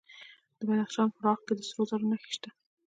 د بدخشان په راغ کې د سرو زرو نښې شته.